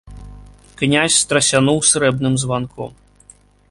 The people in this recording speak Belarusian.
Князь страсянуў срэбным званком.